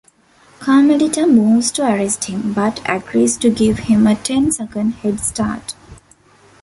Carmelita moves to arrest him, but agrees to give him a ten-second head start.